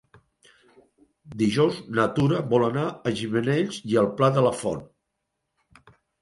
Dijous na Tura vol anar a Gimenells i el Pla de la Font.